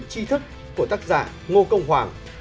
tri thức của tác giả ngô công hoàng